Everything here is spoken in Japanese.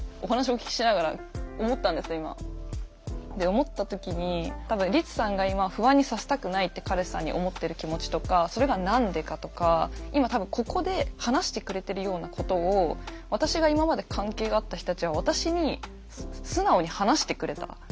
思った時に多分リツさんが今不安にさせたくないって彼氏さんに思ってる気持ちとかそれが何でかとか今多分ここで話してくれてるようなことを私が何かが例えばあったとする。